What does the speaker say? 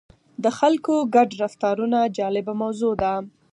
د خلکو ګډ رفتارونه جالبه موضوع ده.